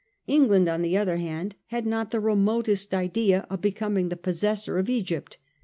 England, on the other hand, had not the remotest idea of becoming the pos sessor of Egypt.